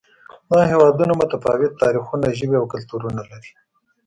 دا هېوادونه متفاوت تاریخونه، ژبې او کلتورونه لري.